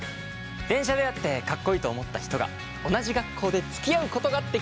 電車で会ってかっこいいと思った人が同じ学校でつきあうことができた。